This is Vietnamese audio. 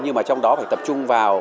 nhưng trong đó phải tập trung vào